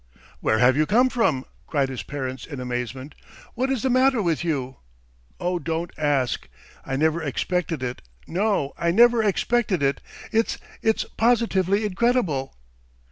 "Where have you come from?" cried his parents in amazement. "What is the matter with you? "Oh, don't ask! I never expected it; no, I never expected it! It's ... it's positively incredible!"